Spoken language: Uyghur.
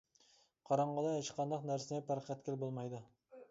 قاراڭغۇدا ھېچقانداق نەرسىنى پەرق ئەتكىلى بولمايدۇ.